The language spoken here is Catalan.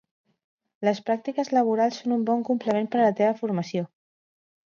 Les pràctiques laborals són un bon complement per a la teva formació.